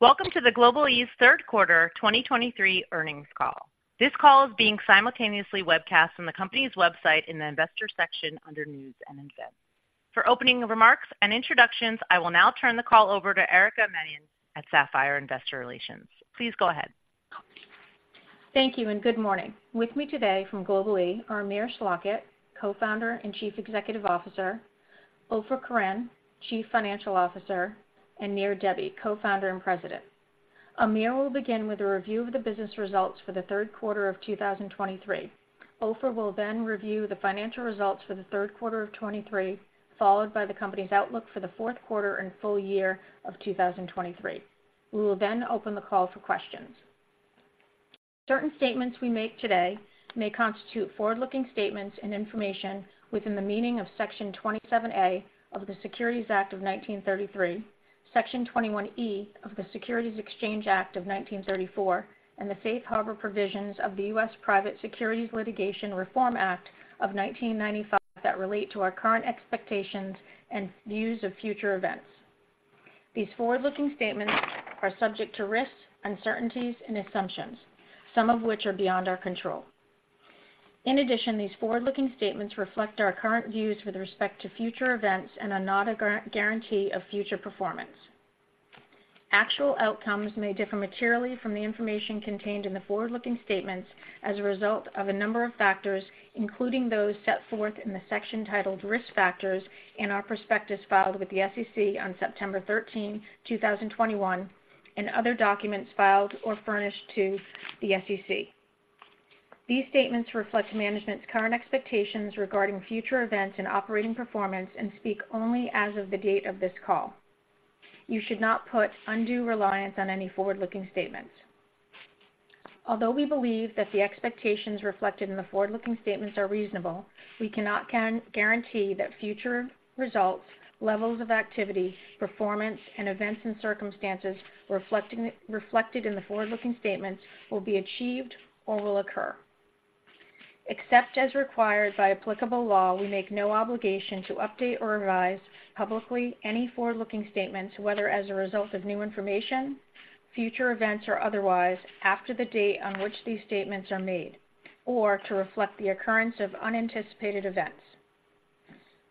Welcome to Global-e's third quarter 2023 earnings call. This call is being simultaneously webcast on the company's website in the Investor section under News and Events. For opening remarks and introductions, I will now turn the call over to Erica Mannion at Sapphire Investor Relations. Please go ahead. Thank you, and good morning. With me today from Global-e are Amir Schlachet, Co-founder and Chief Executive Officer, Ofer Koren, Chief Financial Officer, and Nir Debbi, Co-founder and President. Amir will begin with a review of the business results for the third quarter of 2023. Ofer will then review the financial results for the third quarter of 2023, followed by the company's outlook for the fourth quarter and full year of 2023. We will then open the call for questions. Certain statements we make today may constitute forward-looking statements and information within the meaning of Section 27A of the Securities Act of 1933, Section 21E of the Securities Exchange Act of 1934, and the safe harbor provisions of the U.S. Private Securities Litigation Reform Act of 1995 that relate to our current expectations and views of future events. These forward-looking statements are subject to risks, uncertainties, and assumptions, some of which are beyond our control. In addition, these forward-looking statements reflect our current views with respect to future events and are not a guarantee of future performance. Actual outcomes may differ materially from the information contained in the forward-looking statements as a result of a number of factors, including those set forth in the section titled Risk Factors in our prospectus filed with the SEC on September 13, 2021, and other documents filed or furnished to the SEC. These statements reflect management's current expectations regarding future events and operating performance and speak only as of the date of this call. You should not put undue reliance on any forward-looking statements. Although we believe that the expectations reflected in the forward-looking statements are reasonable, we cannot guarantee that future results, levels of activity, performance, and events and circumstances reflected in the forward-looking statements will be achieved or will occur. Except as required by applicable law, we make no obligation to update or revise publicly any forward-looking statements, whether as a result of new information, future events, or otherwise, after the date on which these statements are made, or to reflect the occurrence of unanticipated events.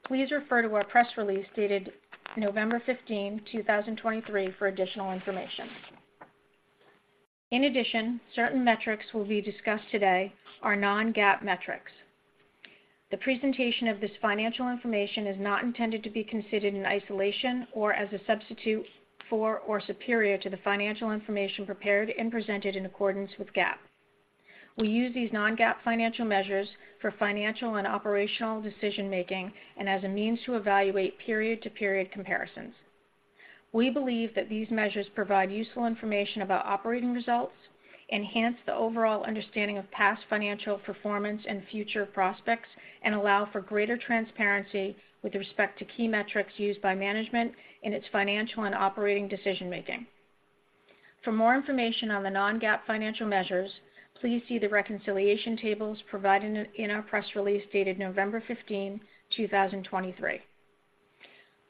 Please refer to our press release dated November 15, 2023, for additional information. In addition, certain metrics will be discussed today are non-GAAP metrics. The presentation of this financial information is not intended to be considered in isolation or as a substitute for or superior to the financial information prepared and presented in accordance with GAAP. We use these non-GAAP financial measures for financial and operational decision-making and as a means to evaluate period-to-period comparisons. We believe that these measures provide useful information about operating results, enhance the overall understanding of past financial performance and future prospects, and allow for greater transparency with respect to key metrics used by management in its financial and operating decision making. For more information on the non-GAAP financial measures, please see the reconciliation tables provided in our press release dated November 15, 2023.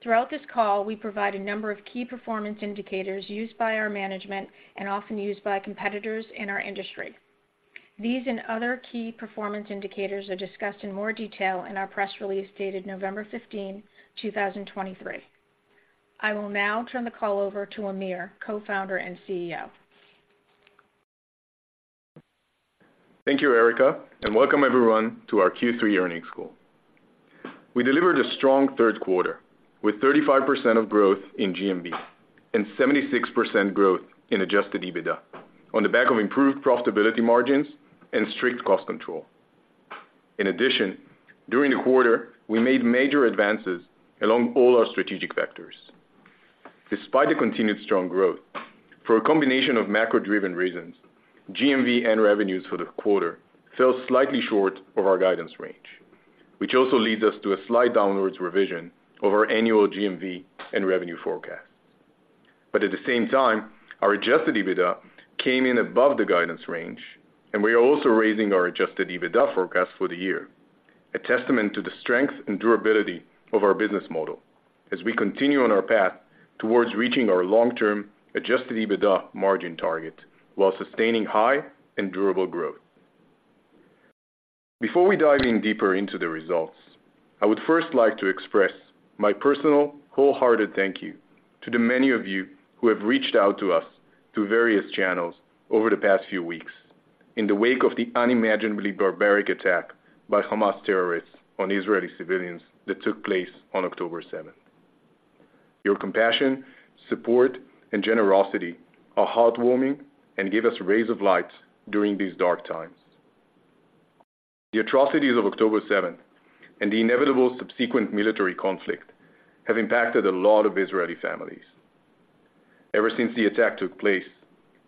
Throughout this call, we provide a number of key performance indicators used by our management and often used by competitors in our industry. These and other key performance indicators are discussed in more detail in our press release dated November 15, 2023. I will now turn the call over to Amir, Co-founder and CEO. Thank you, Erica, and welcome everyone to our Q3 earnings call. We delivered a strong third quarter, with 35% growth in GMV and 76% growth in adjusted EBITDA on the back of improved profitability margins and strict cost control. In addition, during the quarter, we made major advances along all our strategic vectors. Despite the continued strong growth, for a combination of macro-driven reasons, GMV and revenues for the quarter fell slightly short of our guidance range, which also leads us to a slight downwards revision of our annual GMV and revenue forecast. But at the same time, our Adjusted EBITDA came in above the guidance range, and we are also raising our Adjusted EBITDA forecast for the year, a testament to the strength and durability of our business model as we continue on our path towards reaching our long-term Adjusted EBITDA margin target while sustaining high and durable growth. Before we dive in deeper into the results, I would first like to express my personal, wholehearted thank you to the many of you who have reached out to us through various channels over the past few weeks in the wake of the unimaginably barbaric attack by Hamas terrorists on Israeli civilians that took place on October 7th. Your compassion, support, and generosity are heartwarming and give us rays of light during these dark times. The atrocities of October seventh and the inevitable subsequent military conflict have impacted a lot of Israeli families. Ever since the attack took place,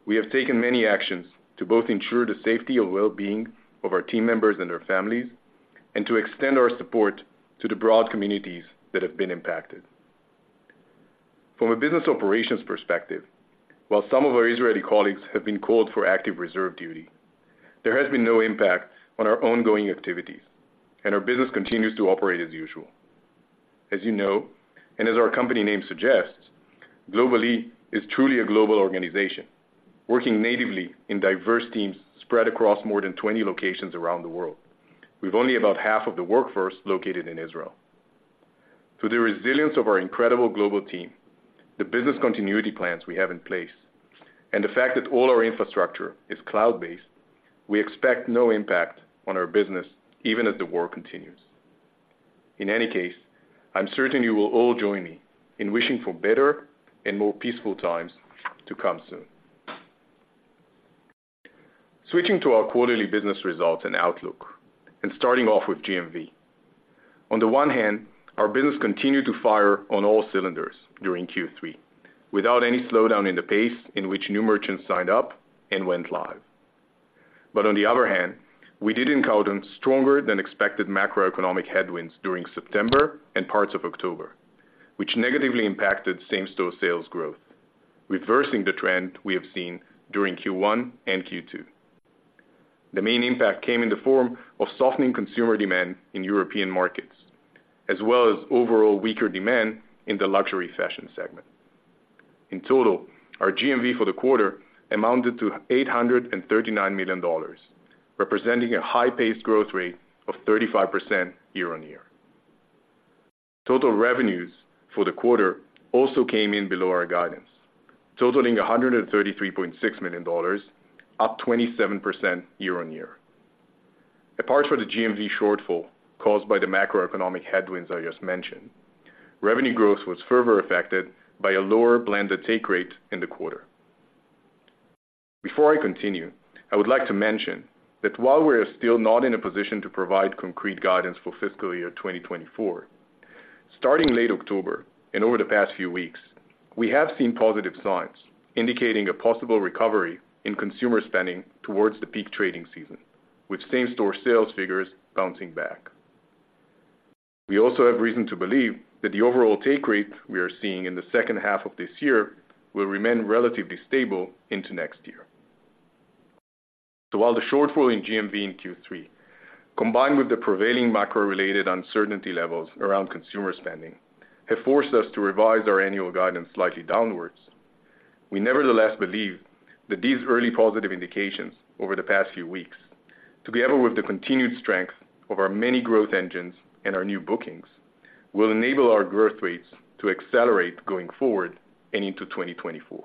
we have taken many actions to both ensure the safety and well-being of our team members and their families and to extend our support to the broad communities that have been impacted. From a business operations perspective, while some of our Israeli colleagues have been called for active reserve duty, there has been no impact on our ongoing activities, and our business continues to operate as usual... as you know, and as our company name suggests, Global-e is truly a global organization, working natively in diverse teams spread across more than 20 locations around the world, with only about half of the workforce located in Israel. Through the resilience of our incredible global team, the business continuity plans we have in place, and the fact that all our infrastructure is cloud-based, we expect no impact on our business, even as the war continues. In any case, I'm certain you will all join me in wishing for better and more peaceful times to come soon. Switching to our quarterly business results and outlook, and starting off with GMV. On the one hand, our business continued to fire on all cylinders during Q3, without any slowdown in the pace in which new merchants signed up and went live. But on the other hand, we did encounter stronger than expected macroeconomic headwinds during September and parts of October, which negatively impacted same-store sales growth, reversing the trend we have seen during Q1 and Q2. The main impact came in the form of softening consumer demand in European markets, as well as overall weaker demand in the luxury fashion segment. In total, our GMV for the quarter amounted to $839 million, representing a high-paced growth rate of 35% year-on-year. Total revenues for the quarter also came in below our guidance, totaling $133.6 million, up 27% year-on-year. Apart from the GMV shortfall caused by the macroeconomic headwinds I just mentioned, revenue growth was further affected by a lower blended take rate in the quarter. Before I continue, I would like to mention that while we are still not in a position to provide concrete guidance for fiscal year 2024, starting late October and over the past few weeks, we have seen positive signs indicating a possible recovery in consumer spending towards the peak trading season, with same-store sales figures bouncing back. We also have reason to believe that the overall take rate we are seeing in the second half of this year will remain relatively stable into next year. So while the shortfall in GMV in Q3, combined with the prevailing macro-related uncertainty levels around consumer spending, have forced us to revise our annual guidance slightly downwards, we nevertheless believe that these early positive indications over the past few weeks, together with the continued strength of our many growth engines and our new bookings, will enable our growth rates to accelerate going forward and into 2024.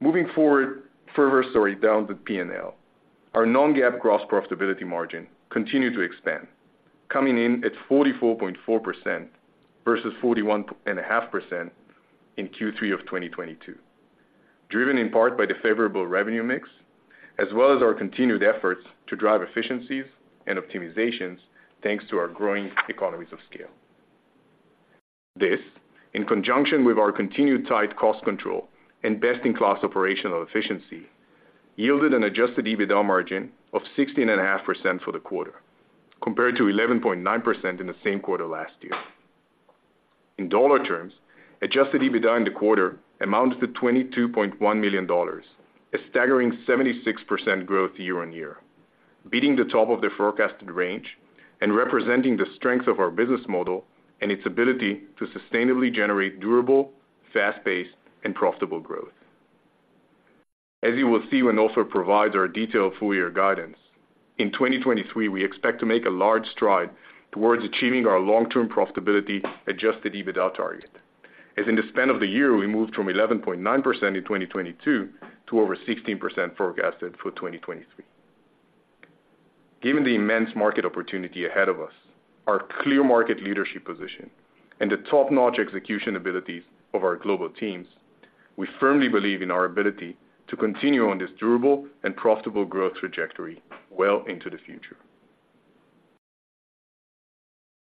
Moving forward, further, sorry, down the P&L, our non-GAAP gross profitability margin continued to expand, coming in at 44.4% versus 41.5% in Q3 of 2022, driven in part by the favorable revenue mix, as well as our continued efforts to drive efficiencies and optimizations, thanks to our growing economies of scale. This, in conjunction with our continued tight cost control and best-in-class operational efficiency, yielded an adjusted EBITDA margin of 16.5% for the quarter, compared to 11.9% in the same quarter last year. In dollar terms, adjusted EBITDA in the quarter amounted to $22.1 million, a staggering 76% growth year-on-year, beating the top of the forecasted range and representing the strength of our business model and its ability to sustainably generate durable, fast-paced, and profitable growth. As you will see when Ofer provides our detailed full year guidance, in 2023, we expect to make a large stride towards achieving our long-term profitability adjusted EBITDA target, as in the span of the year, we moved from 11.9% in 2022 to over 16% forecasted for 2023. Given the immense market opportunity ahead of us, our clear market leadership position, and the top-notch execution abilities of our global teams, we firmly believe in our ability to continue on this durable and profitable growth trajectory well into the future.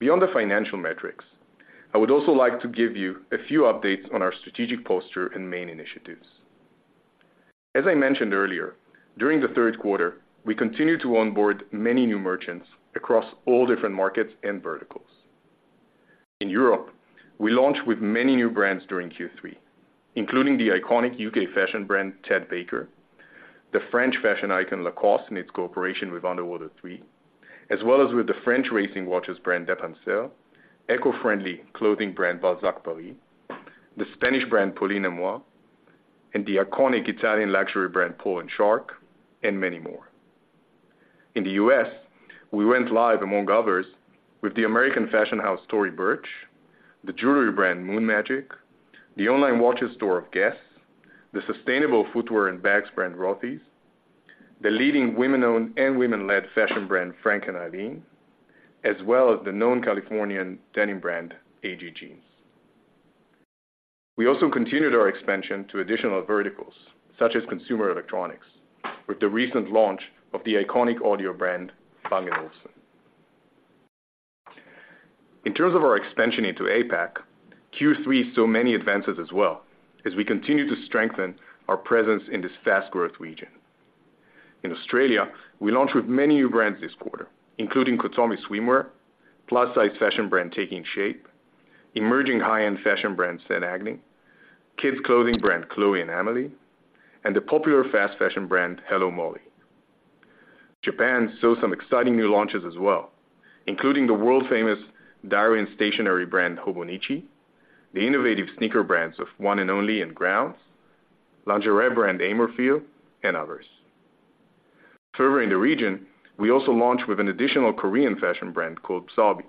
Beyond the financial metrics, I would also like to give you a few updates on our strategic posture and main initiatives. As I mentioned earlier, during the third quarter, we continued to onboard many new merchants across all different markets and verticals. In Europe, we launched with many new brands during Q3, including the iconic U.K. fashion brand, Ted Baker, the French fashion icon, Lacoste, and its cooperation with UNDW3, as well as with the French racing watches brand, Depancel, eco-friendly clothing brand, Balzac Paris, the Spanish brand, Polín et Moi, and the iconic Italian luxury brand, Paul & Shark, and many more. In the U.S., we went live, among others, with the American fashion house, Tory Burch, the jewelry brand, Moon Magic, the online watches store of Guess, the sustainable footwear and bags brand, Rothy's, the leading women-owned and women-led fashion brand, Frank & Eileen, as well as the known Californian denim brand, AG Jeans. We also continued our expansion to additional verticals, such as consumer electronics, with the recent launch of the iconic audio brand, Bang & Olufsen. In terms of our expansion into APAC, Q3 saw many advances as well as we continue to strengthen our presence in this fast-growth region. In Australia, we launched with many new brands this quarter, including Kotomi Swimwear, plus-size fashion brand, Taking Shape, emerging high-end fashion brand, St. Agni, kids' clothing brand, Chloé and Amélie, and the popular fast fashion brand, Hello Molly. Japan saw some exciting new launches as well, including the world-famous diary and stationery brand, Hobonichi, the innovative sneaker brands of One And Only and Grounds, lingerie brand, aimerfeel, and others. Further in the region, we also launched with an additional Korean fashion brand called So Me,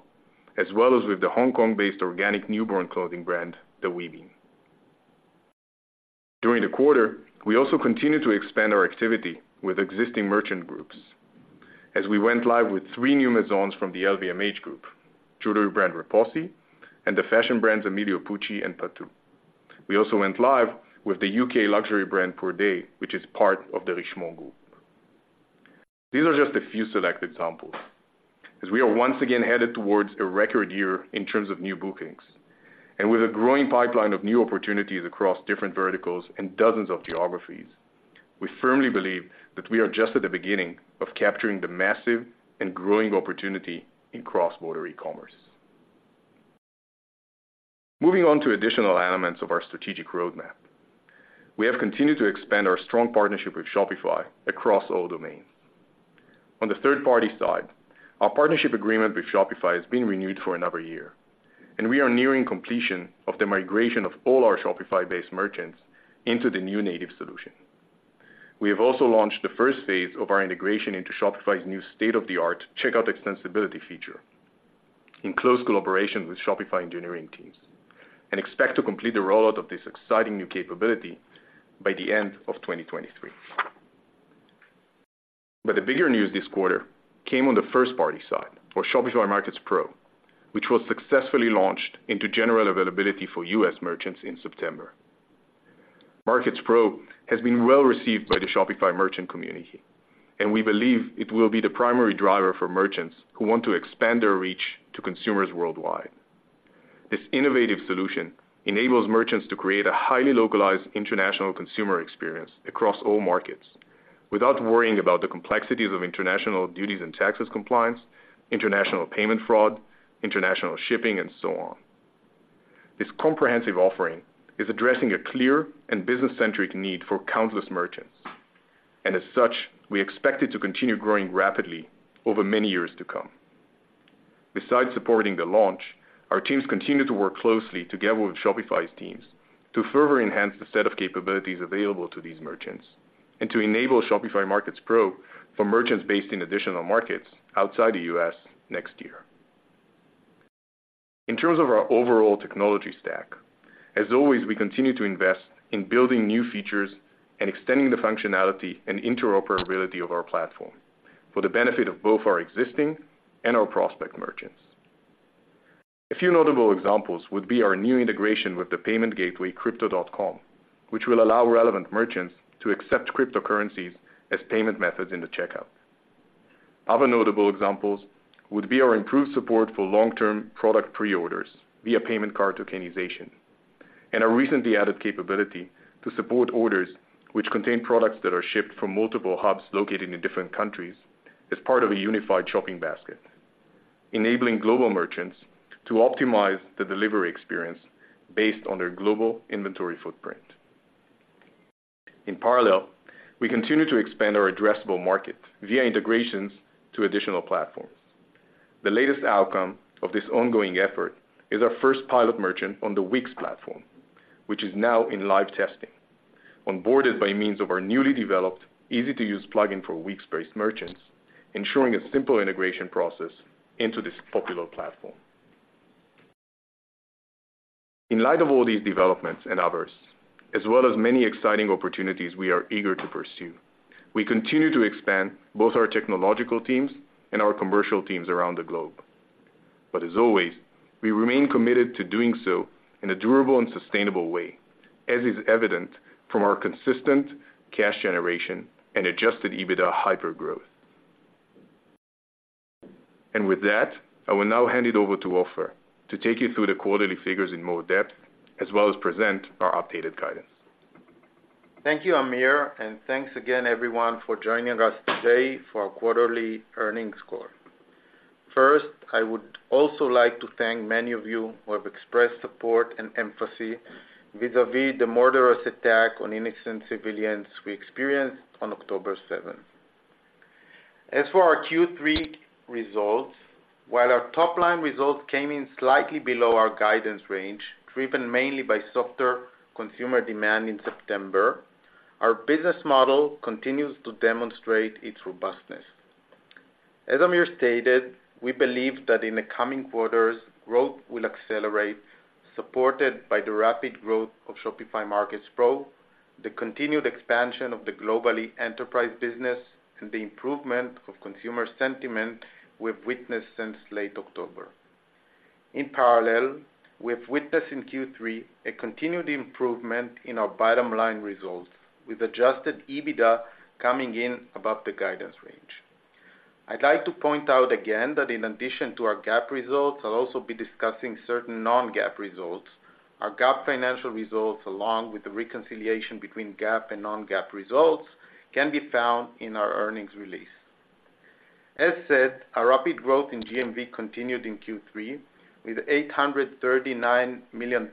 as well as with the Hong Kong-based organic newborn clothing brand, The Wee Bean. During the quarter, we also continued to expand our activity with existing merchant groups as we went live with three new maisons from the LVMH group, jewelry brand, Repossi, and the fashion brands, Emilio Pucci and Patou. We also went live with the U.K. luxury brand, Purdey, which is part of the Richemont Group. These are just a few select examples, as we are once again headed towards a record year in terms of new bookings. With a growing pipeline of new opportunities across different verticals and dozens of geographies, we firmly believe that we are just at the beginning of capturing the massive and growing opportunity in cross-border e-commerce. Moving on to additional elements of our strategic roadmap. We have continued to expand our strong partnership with Shopify across all domains. On the third-party side, our partnership agreement with Shopify has been renewed for another year, and we are nearing completion of the migration of all our Shopify-based merchants into the new native solution. We have also launched the first phase of our integration into Shopify's new state-of-the-art Checkout Extensibility feature in close collaboration with Shopify engineering teams, and expect to complete the rollout of this exciting new capability by the end of 2023. But the bigger news this quarter came on the first party side, for Shopify Markets Pro, which was successfully launched into general availability for U.S. merchants in September. Markets Pro has been well-received by the Shopify merchant community, and we believe it will be the primary driver for merchants who want to expand their reach to consumers worldwide. This innovative solution enables merchants to create a highly localized international consumer experience across all markets without worrying about the complexities of international duties and taxes compliance, international payment fraud, international shipping, and so on. This comprehensive offering is addressing a clear and business-centric need for countless merchants, and as such, we expect it to continue growing rapidly over many years to come. Besides supporting the launch, our teams continue to work closely together with Shopify's teams to further enhance the set of capabilities available to these merchants, and to enable Shopify Markets Pro for merchants based in additional markets outside the U.S. next year. In terms of our overall technology stack, as always, we continue to invest in building new features and extending the functionality and interoperability of our platform for the benefit of both our existing and our prospective merchants. A few notable examples would be our new integration with the payment gateway, Crypto.com, which will allow relevant merchants to accept cryptocurrencies as payment methods in the checkout. Other notable examples would be our improved support for long-term product pre-orders via payment card tokenization, and our recently added capability to support orders which contain products that are shipped from multiple hubs located in different countries as part of a unified shopping basket, enabling global merchants to optimize the delivery experience based on their global inventory footprint. In parallel, we continue to expand our addressable market via integrations to additional platforms. The latest outcome of this ongoing effort is our first pilot merchant on the Wix platform, which is now in live testing, onboarded by means of our newly developed, easy-to-use plugin for Wix-based merchants, ensuring a simple integration process into this popular platform. In light of all these developments and others, as well as many exciting opportunities we are eager to pursue, we continue to expand both our technological teams and our commercial teams around the globe. But as always, we remain committed to doing so in a durable and sustainable way, as is evident from our consistent cash generation and Adjusted EBITDA hypergrowth. With that, I will now hand it over to Ofer to take you through the quarterly figures in more depth, as well as present our updated guidance. Thank you, Amir, and thanks again everyone for joining us today for our quarterly earnings call. First, I would also like to thank many of you who have expressed support and empathy vis-à-vis the murderous attack on innocent civilians we experienced on October 7th. As for our Q3 results, while our top-line results came in slightly below our guidance range, driven mainly by softer consumer demand in September, our business model continues to demonstrate its robustness. As Amir stated, we believe that in the coming quarters, growth will accelerate, supported by the rapid growth of Shopify Markets Pro, the continued expansion of the global enterprise business, and the improvement of consumer sentiment we have witnessed since late October. In parallel, we have witnessed in Q3 a continued improvement in our bottom line results, with adjusted EBITDA coming in above the guidance range. I'd like to point out again that in addition to our GAAP results, I'll also be discussing certain non-GAAP results. Our GAAP financial results, along with the reconciliation between GAAP and non-GAAP results, can be found in our earnings release. As said, our rapid growth in GMV continued in Q3, with $839 million of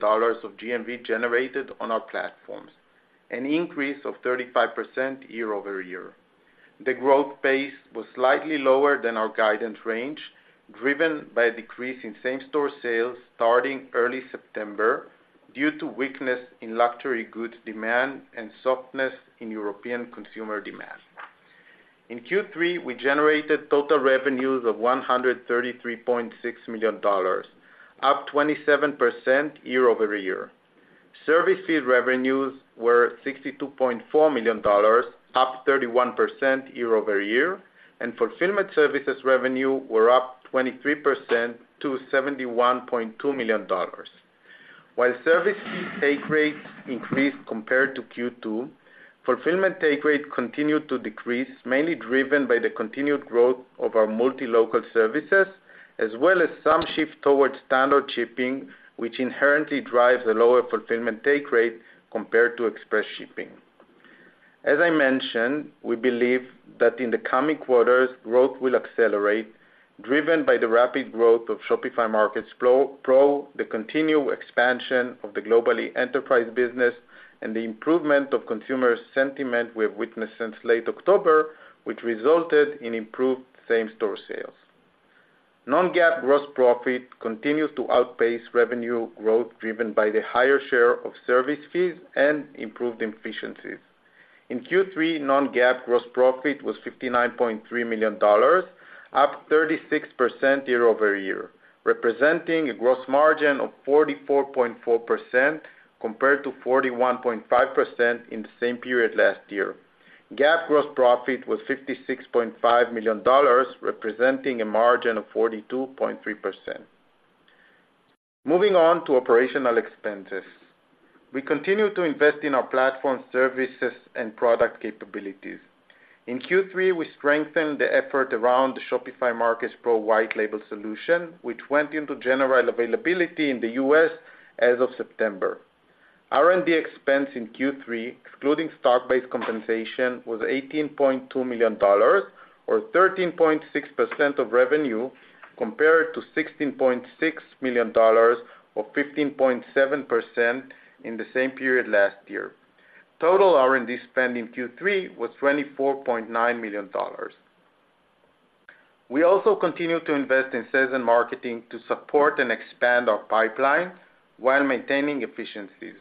GMV generated on our platforms, an increase of 35% year-over-year. The growth pace was slightly lower than our guidance range, driven by a decrease in same-store sales starting early September, due to weakness in luxury goods demand and softness in European consumer demand. In Q3, we generated total revenues of $133.6 million, up 27% year-over-year. Service fee revenues were $62.4 million, up 31% year-over-year, and fulfillment services revenue were up 23% to $71.2 million. While service fee take rates increased compared to Q2, fulfillment take rate continued to decrease, mainly driven by the continued growth of our multi-local services, as well as some shift towards standard shipping, which inherently drives a lower fulfillment take rate compared to express shipping. As I mentioned, we believe that in the coming quarters, growth will accelerate, driven by the rapid growth of Shopify Markets Pro, the continued expansion of the Global Enterprise business, and the improvement of consumer sentiment we have witnessed since late October, which resulted in improved same-store sales. Non-GAAP gross profit continues to outpace revenue growth, driven by the higher share of service fees and improved efficiencies. In Q3, non-GAAP gross profit was $59.3 million, up 36% year-over-year, representing a gross margin of 44.4%, compared to 41.5% in the same period last year. GAAP gross profit was $56.5 million, representing a margin of 42.3%. Moving on to operational expenses. We continue to invest in our platform services and product capabilities. In Q3, we strengthened the effort around the Shopify Markets Pro white label solution, which went into general availability in the U.S. as of September. R&D expense in Q3, excluding stock-based compensation, was $18.2 million, or 13.6% of revenue, compared to $16.6 million, or 15.7% in the same period last year. Total R&D spend in Q3 was $24.9 million. We also continued to invest in sales and marketing to support and expand our pipeline while maintaining efficiencies.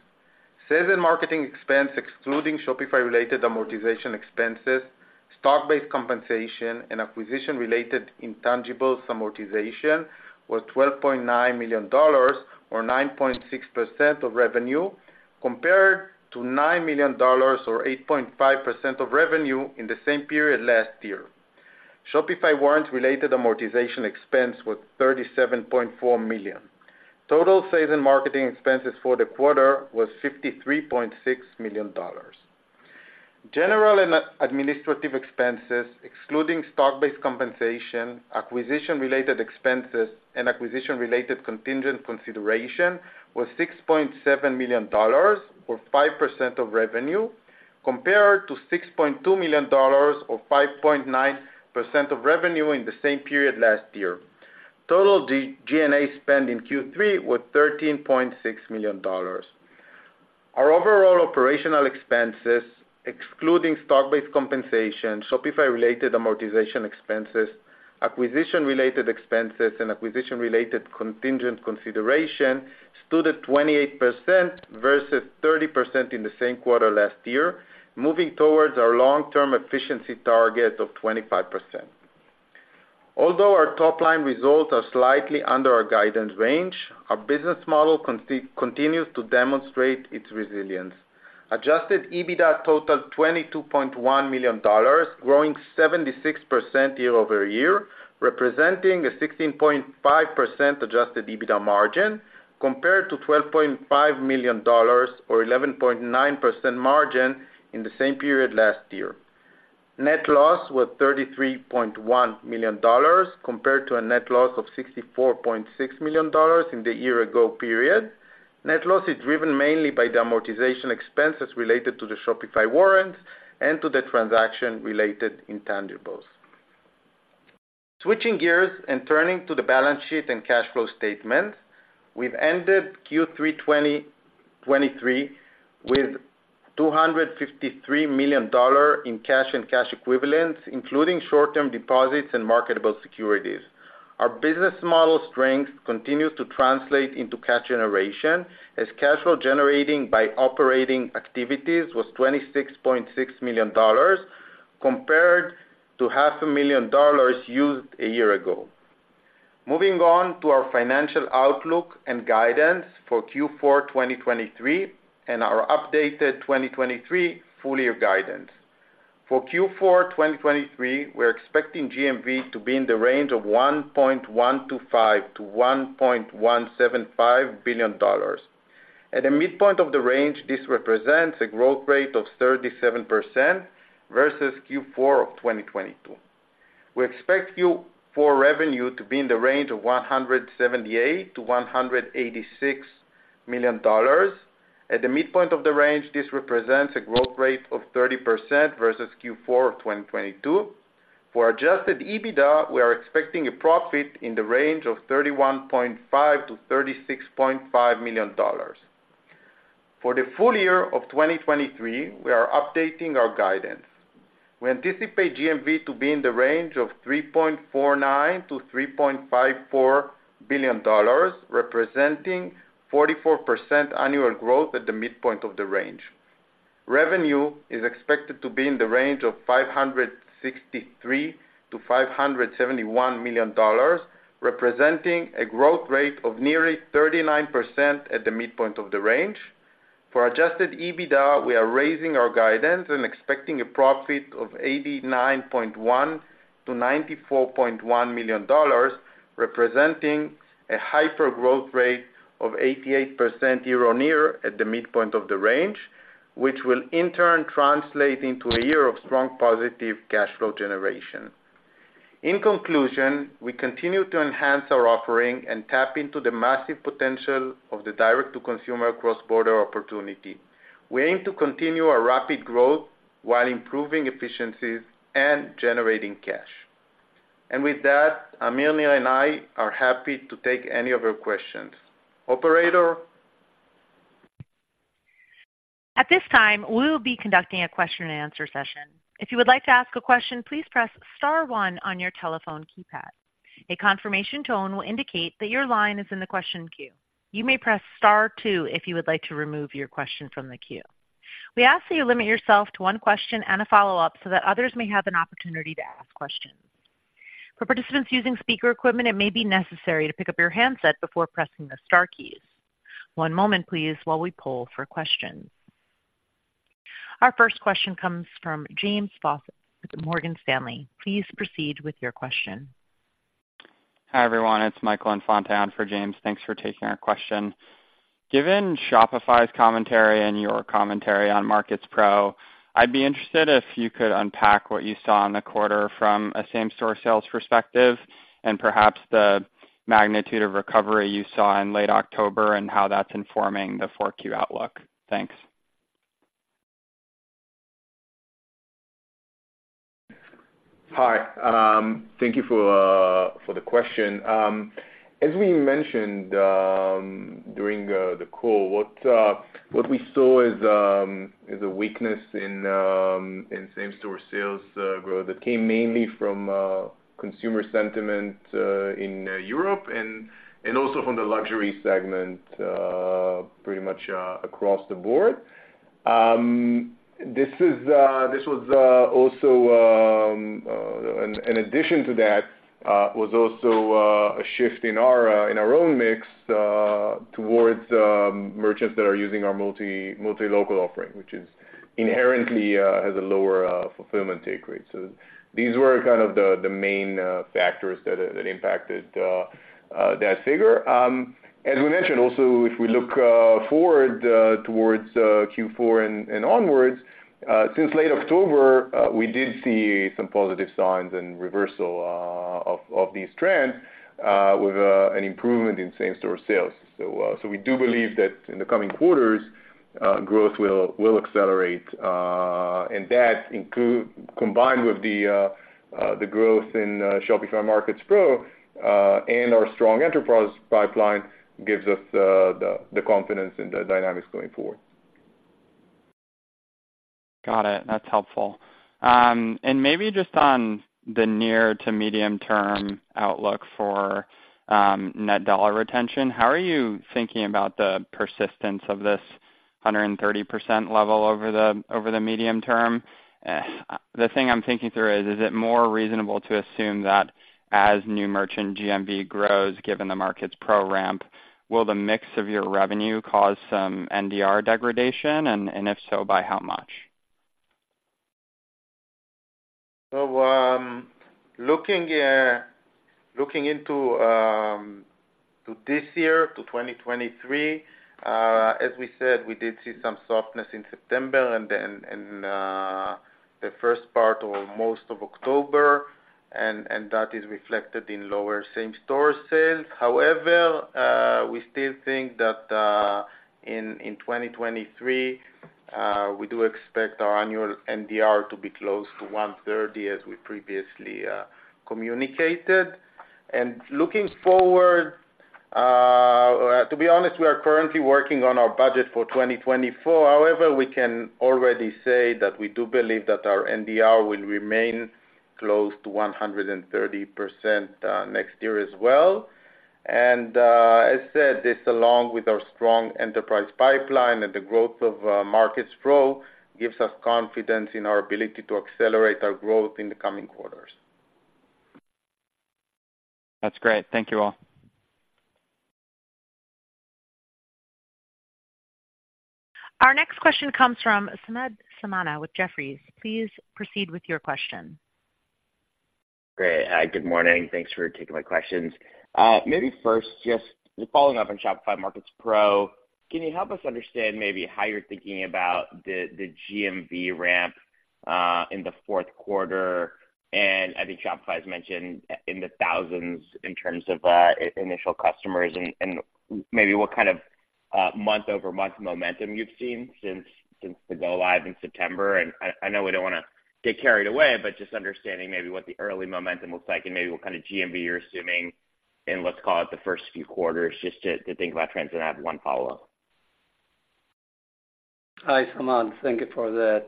Sales and marketing expense, excluding Shopify-related amortization expenses, stock-based compensation, and acquisition-related intangible amortization, was $12.9 million, or 9.6% of revenue, compared to $9 million, or 8.5% of revenue, in the same period last year. Shopify warrants related amortization expense was $37.4 million. Total sales and marketing expenses for the quarter was $53.6 million. General and administrative expenses, excluding stock-based compensation, acquisition-related expenses, and acquisition-related contingent consideration, was $6.7 million, or 5% of revenue, compared to $6.2 million, or 5.9% of revenue, in the same period last year. Total G&A spend in Q3 was $13.6 million. Our overall operational expenses, excluding stock-based compensation, Shopify-related amortization expenses, acquisition-related expenses, and acquisition-related contingent consideration, stood at 28% versus 30% in the same quarter last year, moving towards our long-term efficiency target of 25%. Although our top-line results are slightly under our guidance range, our business model continues to demonstrate its resilience. Adjusted EBITDA totaled $22.1 million, growing 76% year-over-year, representing a 16.5% adjusted EBITDA margin, compared to $12.5 million or 11.9% margin in the same period last year. Net loss was $33.1 million, compared to a net loss of $64.6 million in the year ago period. Net loss is driven mainly by the amortization expenses related to the Shopify warrants and to the transaction-related intangibles. Switching gears and turning to the balance sheet and cash flow statement. We've ended Q3 2023 with $253 million in cash and cash equivalents, including short-term deposits and marketable securities. Our business model strength continues to translate into cash generation, as cash flow generating by operating activities was $26.6 million, compared to $500,000 used a year ago. Moving on to our financial outlook and guidance for Q4 2023 and our updated 2023 full year guidance. For Q4 2023, we're expecting GMV to be in the range of $1.125 billion-$1.175 billion. At the midpoint of the range, this represents a growth rate of 37% versus Q4 of 2022. We expect Q4 revenue to be in the range of $178 million-$186 million. At the midpoint of the range, this represents a growth rate of 30% versus Q4 of 2022. For adjusted EBITDA, we are expecting a profit in the range of $31.5 million-$36.5 million. For the full year of 2023, we are updating our guidance. We anticipate GMV to be in the range of $3.49 billion-$3.54 billion, representing 44% annual growth at the midpoint of the range. Revenue is expected to be in the range of $563 million-$571 million, representing a growth rate of nearly 39% at the midpoint of the range. For adjusted EBITDA, we are raising our guidance and expecting a profit of $89.1 million-$94.1 million, representing a hyper growth rate of 88% year-on-year at the midpoint of the range, which will in turn translate into a year of strong positive cash flow generation. In conclusion, we continue to enhance our offering and tap into the massive potential of the direct-to-consumer cross-border opportunity. We aim to continue our rapid growth while improving efficiencies and generating cash. And with that, Amir, Nir, and I are happy to take any of your questions. Operator? At this time, we will be conducting a question-and-answer session. If you would like to ask a question, please press star one on your telephone keypad. A confirmation tone will indicate that your line is in the question queue. You may press star two if you would like to remove your question from the queue. We ask that you limit yourself to one question and a follow-up so that others may have an opportunity to ask questions. For participants using speaker equipment, it may be necessary to pick up your handset before pressing the star keys. One moment, please, while we poll for questions. Our first question comes from James Faucett with Morgan Stanley. Please proceed with your question. Hi, everyone, it's Michael Infante on for James. Thanks for taking our question. Given Shopify's commentary and your commentary on Markets Pro, I'd be interested if you could unpack what you saw in the quarter from a same-store sales perspective, and perhaps the magnitude of recovery you saw in late October and how that's informing the Q4 outlook. Thanks. Hi, thank you for the question. As we mentioned during the call, what we saw is a weakness in same-store sales growth that came mainly from consumer sentiment in Europe and also from the luxury segment pretty much across the board. This was also. In addition to that, was also a shift in our own mix towards merchants that are using our multi-local offering, which is inherently has a lower fulfillment take rate. So these were kind of the main factors that impacted that figure. As we mentioned also, if we look forward towards Q4 and onwards, since late October, we did see some positive signs and reversal of these trends with an improvement in same-store sales. So, so we do believe that in the coming quarters, growth will accelerate, and that combined with the growth in Shopify Markets Pro and our strong enterprise pipeline, gives us the confidence in the dynamics going forward. Got it. That's helpful. And maybe just on the near- to medium-term outlook for net dollar retention, how are you thinking about the persistence of this 130% level over the medium term? The thing I'm thinking through is: Is it more reasonable to assume that as new merchant GMV grows, given the Markets Pro ramp, will the mix of your revenue cause some NDR degradation? And if so, by how much? Looking into this year to 2023, as we said, we did see some softness in September and then the first part of most of October, and that is reflected in lower same-store sales. However, we still think that in 2023 we do expect our annual NDR to be close to 130, as we previously communicated. Looking forward, to be honest, we are currently working on our budget for 2024. However, we can already say that we do believe that our NDR will remain close to 130%, next year as well. As said, this, along with our strong enterprise pipeline and the growth of Markets Pro, gives us confidence in our ability to accelerate our growth in the coming quarters. That's great. Thank you, all. Our next question comes from Samad Samana with Jefferies. Please proceed with your question. Great. Good morning. Thanks for taking my questions. Maybe first, just following up on Shopify Markets Pro, can you help us understand maybe how you're thinking about the GMV ramp in the fourth quarter, and I think Shopify has mentioned in the thousands in terms of initial customers and maybe what kind of month-over-month momentum you've seen since the go live in September? And I know we don't wanna get carried away, but just understanding maybe what the early momentum looks like and maybe what kind of GMV you're assuming in, let's call it, the first few quarters, just to think about trends, and I have one follow-up. Hi, Samad. Thank you for that.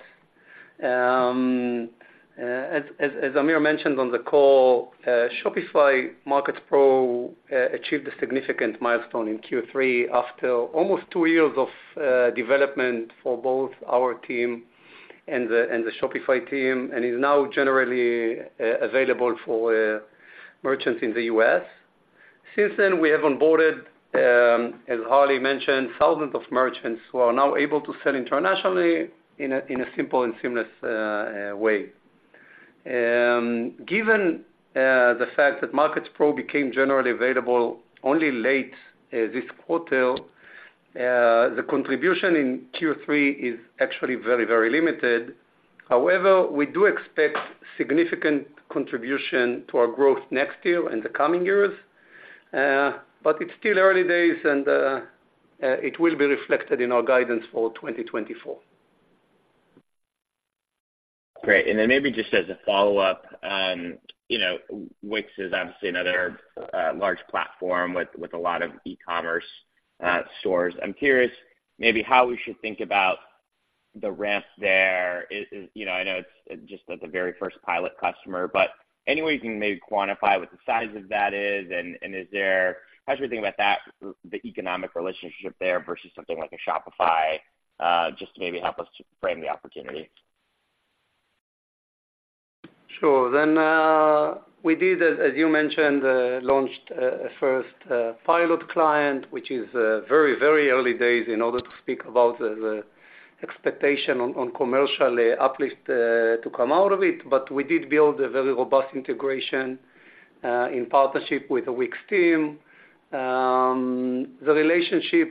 As Amir mentioned on the call, Shopify Markets Pro achieved a significant milestone in Q3 after almost two years of development for both our team and the Shopify team, and is now generally available for merchants in the U.S. Since then, we have onboarded, as Harley mentioned, thousands of merchants who are now able to sell internationally in a simple and seamless way. Given the fact that Markets Pro became generally available only late this quarter, the contribution in Q3 is actually very, very limited. However, we do expect significant contribution to our growth next year and the coming years. But it's still early days, and it will be reflected in our guidance for 2024. Great. And then maybe just as a follow-up, you know, Wix is obviously another large platform with a lot of e-commerce stores. I'm curious maybe how we should think about the ramp there. Is— You know, I know it's just at the very first pilot customer, but any way you can maybe quantify what the size of that is, and is there... How do you think about that, the economic relationship there versus something like a Shopify? Just to maybe help us to frame the opportunity. Sure. Then, we did, as, as you mentioned, launched a first pilot client, which is very, very early days in order to speak about the, the expectation on, on commercial uplift to come out of it, but we did build a very robust integration in partnership with the Wix team. The relationship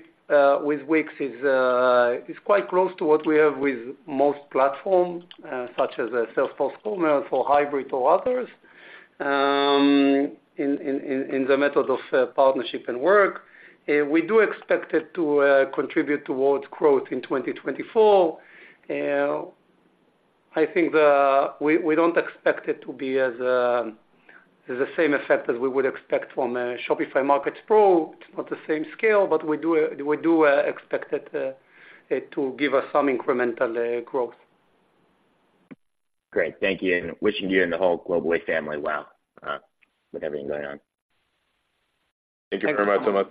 with Wix is quite close to what we have with most platforms, such as a self-fulfillment or hybrid or others, in the method of partnership and work. We do expect it to contribute towards growth in 2024. I think we don't expect it to be as the same effect as we would expect from a Shopify Markets Pro. It's not the same scale, but we do expect it to give us some incremental growth. Great. Thank you, and wishing you and the whole Global-e family well, with everything going on. Thank you. Thank you very much, Samad.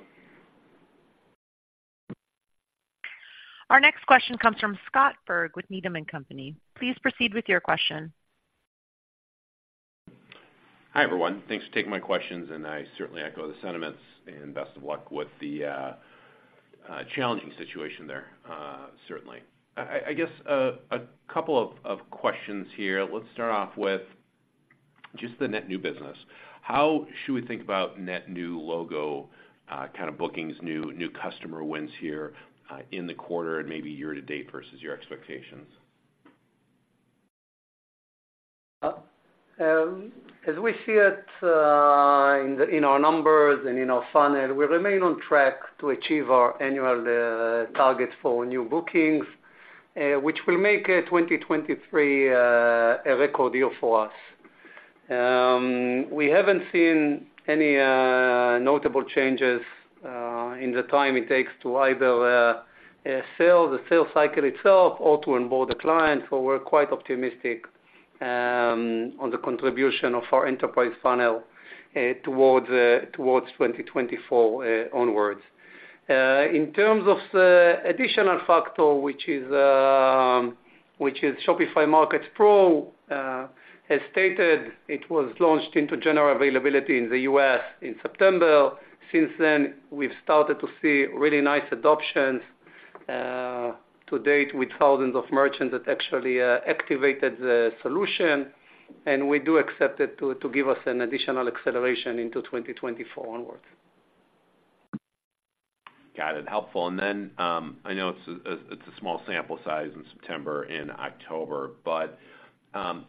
Our next question comes from Scott Berg with Needham & Company. Please proceed with your question. Hi, everyone. Thanks for taking my questions, and I certainly echo the sentiments, and best of luck with the challenging situation there, certainly. I guess a couple of questions here. Let's start off with just the net new business. How should we think about net new logo kind of bookings, new customer wins here in the quarter and maybe year to date versus your expectations? As we see it, in our numbers and in our funnel, we remain on track to achieve our annual target for new bookings, which will make 2023 a record year for us. We haven't seen any notable changes in the time it takes to either sell the sales cycle itself or to onboard the client, so we're quite optimistic on the contribution of our enterprise funnel towards 2024 onwards. In terms of the additional factor, which is Shopify Markets Pro, as stated, it was launched into general availability in the U.S. in September. Since then, we've started to see really nice adoptions, to date, with thousands of merchants that actually activated the solution, and we do expect it to give us an additional acceleration into 2024 onwards. Got it. Helpful. And then, I know it's a, it's a small sample size in September and October, but,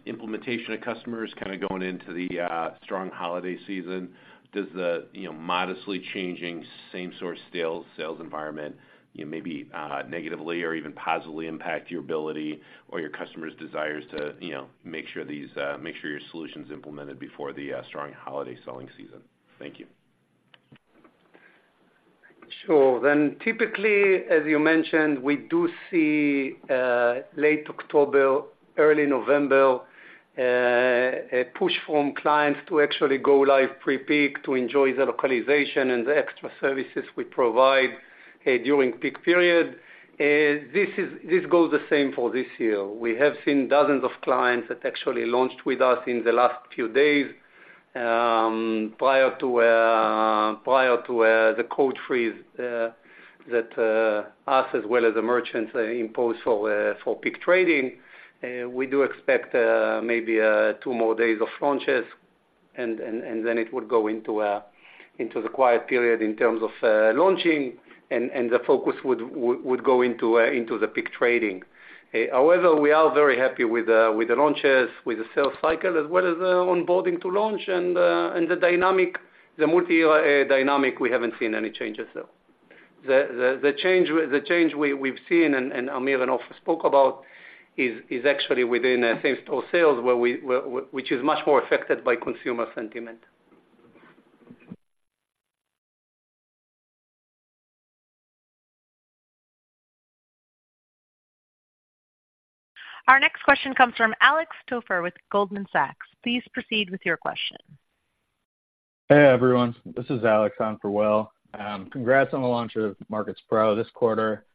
implementation of customers kind of going into the, strong holiday season, does the, you know, modestly changing same-store sales, sales environment, you know, maybe, negatively or even positively impact your ability or your customers' desires to, you know, make sure these, make sure your solution's implemented before the, strong holiday selling season? Thank you. Sure. Then typically, as you mentioned, we do see late October, early November a push from clients to actually go live pre-peak to enjoy the localization and the extra services we provide during peak period. This goes the same for this year. We have seen dozens of clients that actually launched with us in the last few days, prior to the code freeze that us as well as the merchants imposed for peak trading. We do expect maybe two more days of launches and then it would go into the quiet period in terms of launching, and the focus would go into the peak trading. However, we are very happy with the launches, with the sales cycle, as well as onboarding to launch and the dynamic, the multi dynamic. We haven't seen any changes, so. The change we've seen and Amir and Ofer spoke about is actually within same-store sales, where, which is much more affected by consumer sentiment. Our next question comes from Alex Toepfer with Goldman Sachs. Please proceed with your question. Hey, everyone, this is Alex on for Will. Congrats on the launch of Markets Pro this quarter.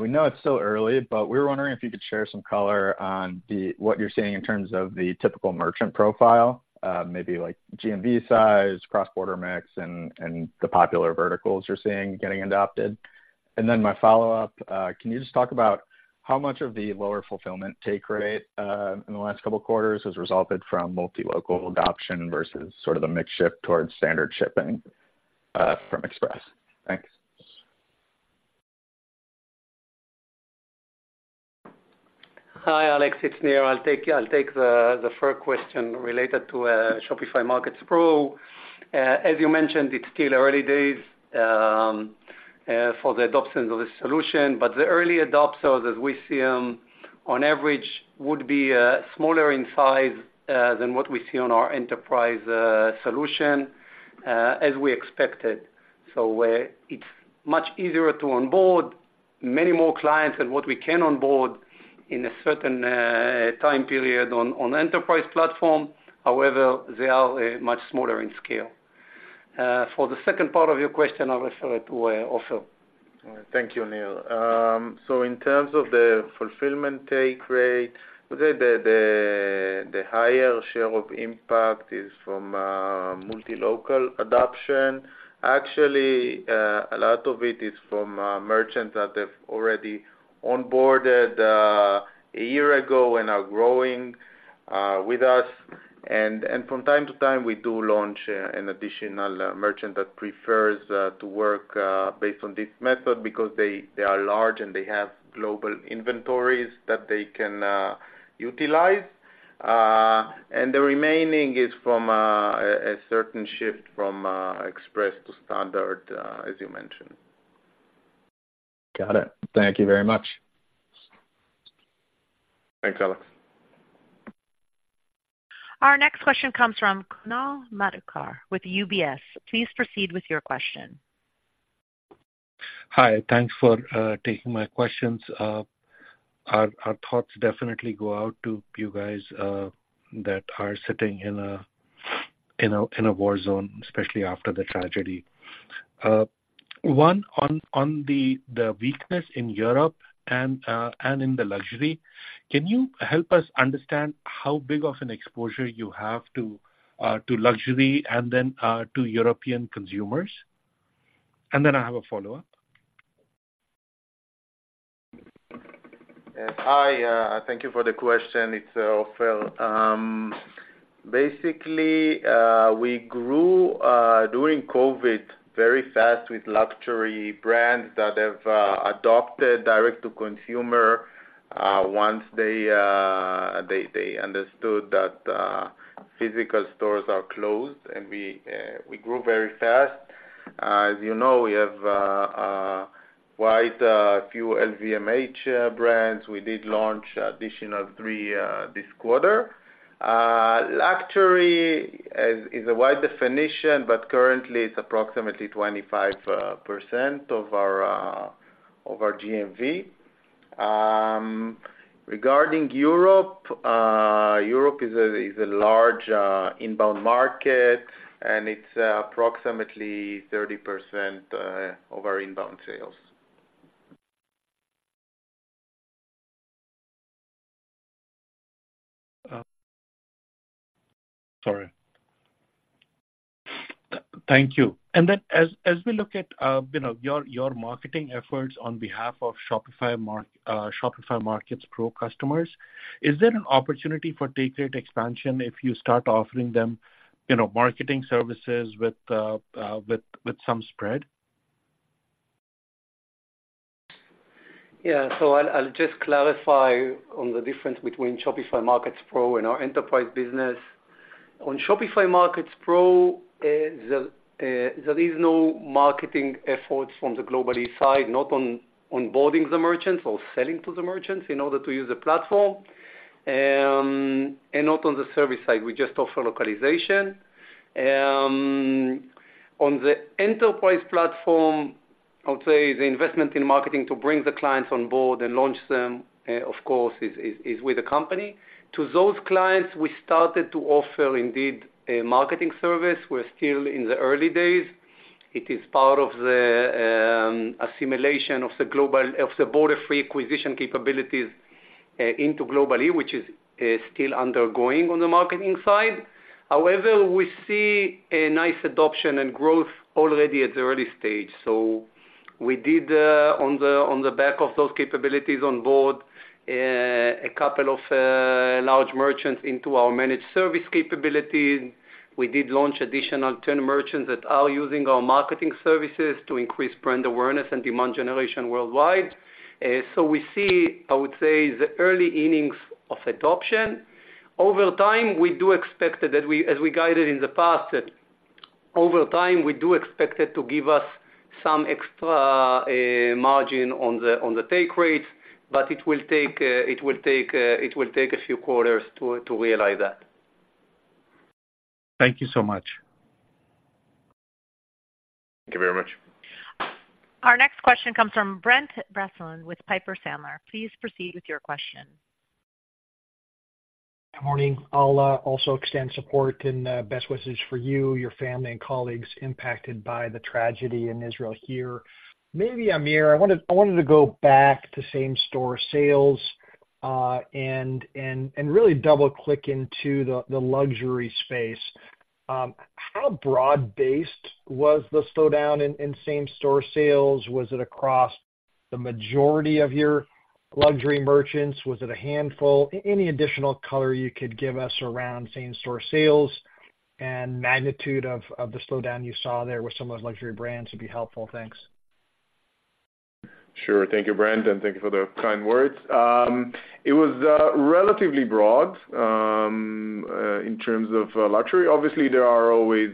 We know it's still early, but we were wondering if you could share some color on what you're seeing in terms of the typical merchant profile, maybe like GMV size, cross-border mix, and the popular verticals you're seeing getting adopted. Then my follow-up, can you just talk about how much of the lower fulfillment take rate in the last couple of quarters has resulted from multi-local adoption versus sort of the mix shift towards standard shipping from Express? Thanks. Hi, Alex, it's Nir. I'll take, I'll take the, the first question related to Shopify Markets Pro. As you mentioned, it's still early days for the adoption of the solution, but the early adopters, as we see them, on average, would be smaller in size than what we see on our enterprise solution, as we expected. So where it's much easier to onboard many more clients than what we can onboard in a certain time period on, on enterprise platform. However, they are much smaller in scale. For the second part of your question, I'll refer to Ofer. Thank you, Nir. So in terms of the fulfillment take rate, the higher share of impact is from multi-local adoption. Actually, a lot of it is from merchants that have already onboarded a year ago and are growing with us. From time to time, we do launch an additional merchant that prefers to work based on this method because they are large and they have global inventories that they can utilize. The remaining is from a certain shift from express to standard, as you mentioned. Got it. Thank you very much. Thanks, Alex. Our next question comes from Kunal Madhukar with UBS. Please proceed with your question. Hi, thanks for taking my questions. Our thoughts definitely go out to you guys that are sitting in a war zone, especially after the tragedy. One, on the weakness in Europe and in the luxury, can you help us understand how big of an exposure you have to luxury and then to European consumers? And then I have a follow-up. Hi, thank you for the question. It's Ofer. Basically, we grew during COVID very fast with luxury brands that have adopted direct-to-consumer once they understood that physical stores are closed, and we grew very fast. As you know, we have quite a few LVMH brands. We did launch additional three this quarter. Luxury is a wide definition, but currently it's approximately 25% of our GMV. Regarding Europe, Europe is a large inbound market, and it's approximately 30% of our inbound sales. Sorry. Thank you. And then as we look at, you know, your marketing efforts on behalf of Shopify Markets Pro customers, is there an opportunity for take rate expansion if you start offering them, you know, marketing services with some spread? Yeah, so I'll just clarify on the difference between Shopify Markets Pro and our enterprise business. On Shopify Markets Pro, there is no marketing efforts from the Global-e side, not on onboarding the merchants or selling to the merchants in order to use the platform, and not on the service side. We just offer localization. On the enterprise platform, I would say the investment in marketing to bring the clients on board and launch them, of course, is with the company. To those clients, we started to offer indeed, a marketing service. We're still in the early days. It is part of the assimilation of the Global-e of the Borderfree acquisition capabilities into Global-e, which is still undergoing on the marketing side. However, we see a nice adoption and growth already at the early stage. So- We did, on the back of those capabilities, on board a couple of large merchants into our managed service capabilities. We did launch additional 10 merchants that are using our marketing services to increase brand awareness and demand generation worldwide. So we see, I would say, the early innings of adoption. Over time, we do expect that, that we, as we guided in the past, that over time, we do expect it to give us some extra margin on the take rates, but it will take, it will take, it will take a few quarters to realize that. Thank you so much. Thank you very much. Our next question comes from Brent Bracelin with Piper Sandler. Please proceed with your question. Good morning. I'll also extend support and best wishes for you, your family and colleagues impacted by the tragedy in Israel here. Maybe, Amir, I wanted to go back to same-store sales, and really double-click into the luxury space. How broad-based was the slowdown in same-store sales? Was it across the majority of your luxury merchants? Was it a handful? Any additional color you could give us around same-store sales and magnitude of the slowdown you saw there with some of those luxury brands would be helpful. Thanks. Sure. Thank you, Brent, and thank you for the kind words. It was relatively broad. In terms of luxury, obviously, there are always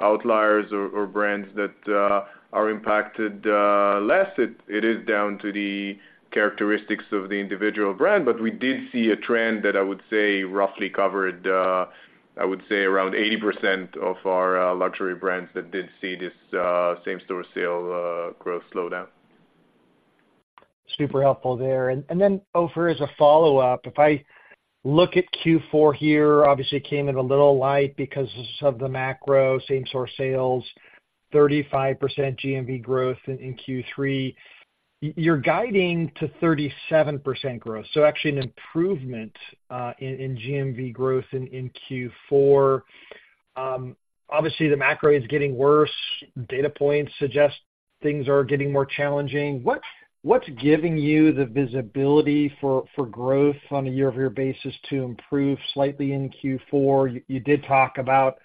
outliers or brands that are impacted less. It is down to the characteristics of the individual brand, but we did see a trend that I would say roughly covered, I would say, around 80% of our luxury brands that did see this same-store sale growth slowdown. Super helpful there. And then Ofer, as a follow-up, if I look at Q4 here, obviously came in a little light because of the macro, same-store sales, 35% GMV growth in Q3. You're guiding to 37% growth, so actually an improvement in GMV growth in Q4. Obviously, the macro is getting worse. Data points suggest things are getting more challenging. What's giving you the visibility for growth on a year-over-year basis to improve slightly in Q4? You did talk about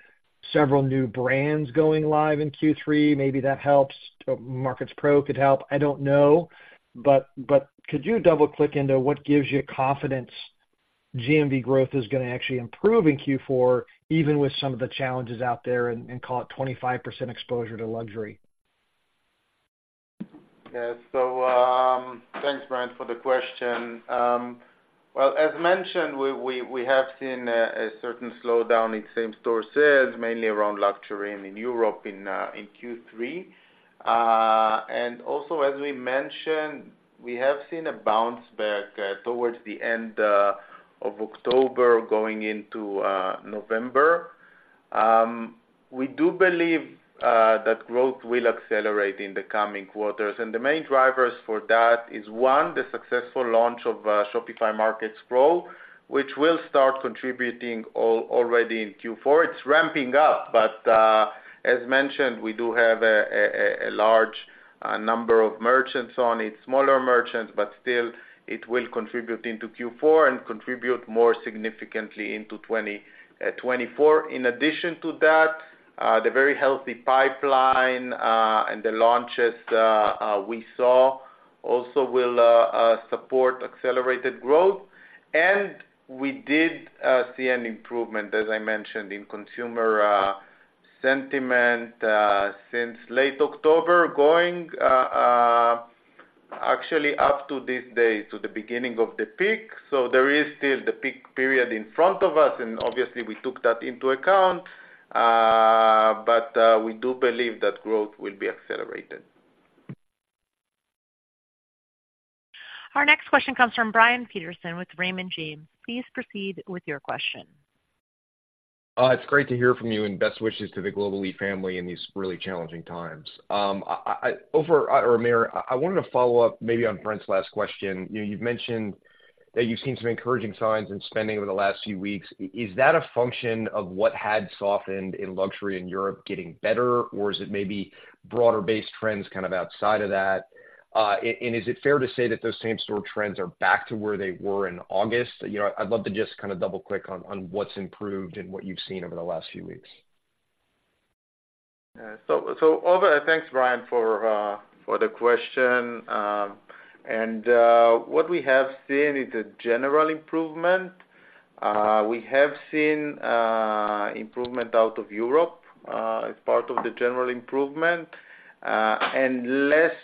several new brands going live in Q3. Maybe that helps. Markets Pro could help. I don't know. But could you double-click into what gives you confidence GMV growth is going to actually improve in Q4, even with some of the challenges out there and call it 25% exposure to luxury? Yeah. So, thanks, Brent, for the question. Well, as mentioned, we have seen a certain slowdown in same-store sales, mainly around luxury and in Europe, in Q3. And also, as we mentioned, we have seen a bounce back towards the end of October going into November. We do believe that growth will accelerate in the coming quarters, and the main drivers for that is, one, the successful launch of Shopify Markets Pro, which will start contributing already in Q4. It's ramping up, but, as mentioned, we do have a large number of merchants on it. Smaller merchants, but still, it will contribute into Q4 and contribute more significantly into 2024. In addition to that, the very healthy pipeline and the launches we saw also will support accelerated growth. And we did see an improvement, as I mentioned, in consumer sentiment since late October, going actually up to this day, to the beginning of the peak. So there is still the peak period in front of us, and obviously, we took that into account. But we do believe that growth will be accelerated. Our next question comes from Brian Peterson with Raymond James. Please proceed with your question. It's great to hear from you, and best wishes to the Global-e family in these really challenging times. Ofer or Amir, I wanted to follow up maybe on Brent's last question. You know, you've mentioned that you've seen some encouraging signs in spending over the last few weeks. Is that a function of what had softened in luxury in Europe getting better, or is it maybe broader-based trends kind of outside of that? And is it fair to say that those same-store trends are back to where they were in August? You know, I'd love to just kind of double-click on what's improved and what you've seen over the last few weeks. Thanks, Brian, for the question. What we have seen is a general improvement. We have seen improvement out of Europe as part of the general improvement, and less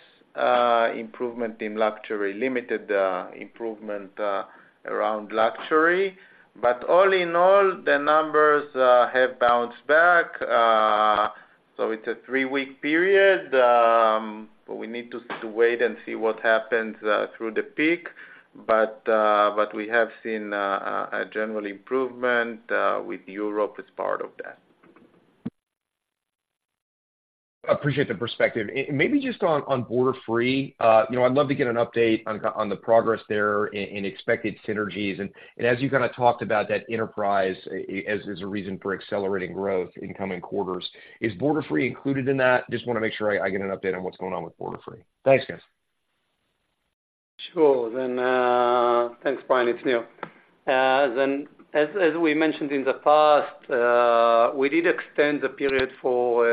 improvement in luxury, limited improvement around luxury. But all in all, the numbers have bounced back. So it's a three-week period, but we need to wait and see what happens through the peak. But we have seen a general improvement with Europe as part of that. Appreciate the perspective. And maybe just on, on Borderfree. You know, I'd love to get an update on the, on the progress there in expected synergies, and as you kind of talked about that enterprise as a reason for accelerating growth in coming quarters, is Borderfree included in that? Just wanna make sure I get an update on what's going on with Borderfree. Thanks, guys. Sure then, thanks, Brian. It's Nir. Then as, as we mentioned in the past, we did extend the period for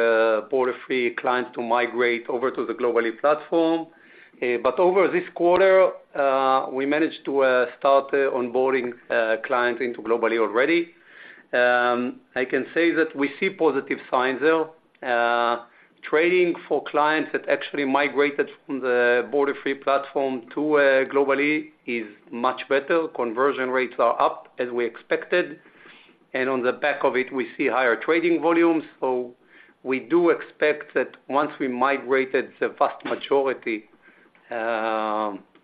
Borderfree clients to migrate over to the Global-e platform. But over this quarter, we managed to start onboarding clients into Global-e already. I can say that we see positive signs there. Trading for clients that actually migrated from the Borderfree platform to Global-e is much better. Conversion rates are up, as we expected, and on the back of it, we see higher trading volumes. So we do expect that once we migrated the vast majority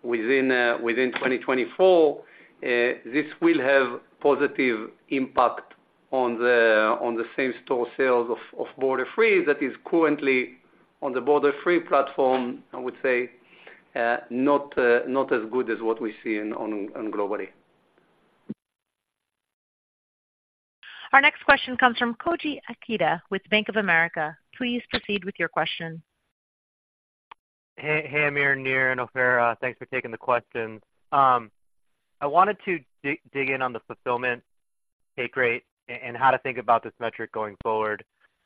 within 2024, this will have positive impact on the same store sales of Borderfree that is currently on the Borderfree platform. I would say not as good as what we see on Global-e. Our next question comes from Koji Ikeda with Bank of America. Please proceed with your question. Hey, hey, Amir, Nir, and Ofer, thanks for taking the questions. I wanted to dig in on the fulfillment take rate and how to think about this metric going forward.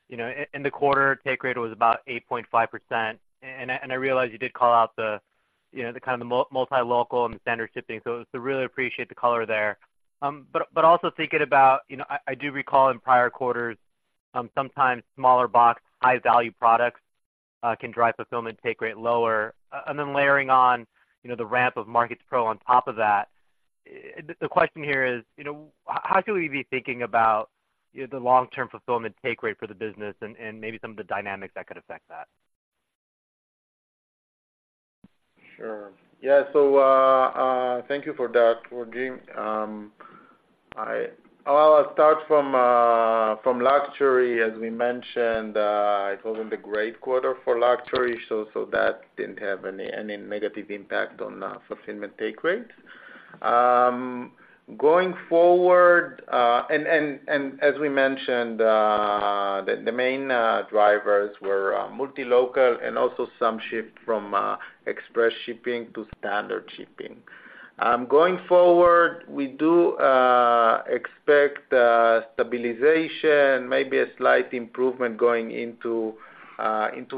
You know, in the quarter, take rate was about 8.5%, and I realize you did call out the, you know, the kind of the multi-local and the standard shipping, so really appreciate the color there. But also thinking about, you know, I do recall in prior quarters, sometimes smaller box, high value products can drive fulfillment take rate lower. And then layering on, you know, the ramp of Markets Pro on top of that. The question here is, you know, how should we be thinking about, you know, the long-term fulfillment take rate for the business and maybe some of the dynamics that could affect that? Sure. Yeah, so thank you for that, Koji. Well, I'll start from luxury. As we mentioned, it wasn't a great quarter for luxury, so that didn't have any negative impact on fulfillment take rate. Going forward, and as we mentioned, the main drivers were multi-local and also some shift from express shipping to standard shipping. Going forward, we do expect stabilization, maybe a slight improvement going into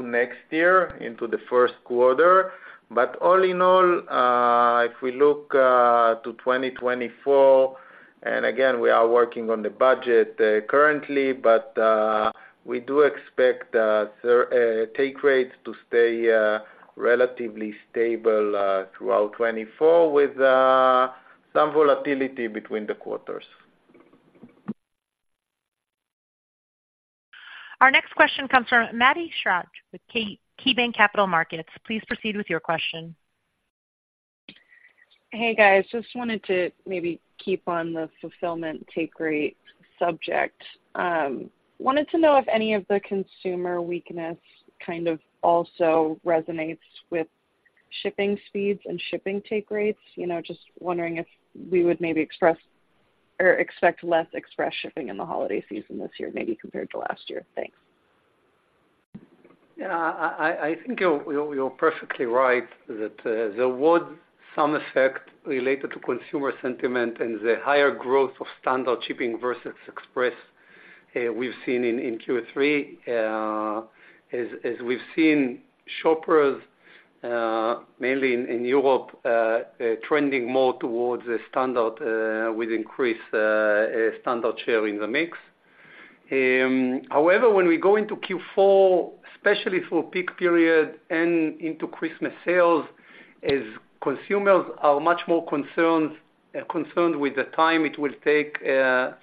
next year, into the first quarter. But all in all, if we look to 2024, and again, we are working on the budget currently, but we do expect take rates to stay relatively stable throughout 2024, with some volatility between the quarters. Our next question comes from Maddie Schrage with KeyBanc Capital Markets. Please proceed with your question. Hey, guys, just wanted to maybe keep on the fulfillment take rate subject. Wanted to know if any of the consumer weakness kind of also resonates with shipping speeds and shipping take rates? You know, just wondering if we would maybe express or expect less express shipping in the holiday season this year, maybe compared to last year. Thanks. Yeah. I think you're perfectly right, that there was some effect related to consumer sentiment and the higher growth of standard shipping versus express we've seen in Q3. As we've seen shoppers mainly in Europe trending more towards the standard with increased standard share in the mix. However, when we go into Q4, especially through peak period and into Christmas sales, as consumers are much more concerned with the time it will take